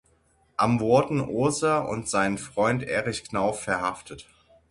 Am wurden Ohser und sein Freund Erich Knauf verhaftet.